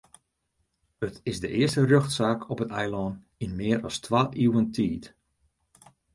It is de earste rjochtsaak op it eilân yn mear as twa iuwen tiid.